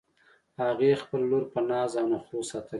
هغې خپله لور په ناز او نخروساتلی ده